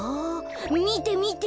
みてみて！